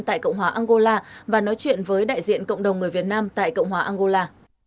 tại cộng hòa angola và nói chuyện với đại diện cộng đồng người việt nam tại cộng hòa angola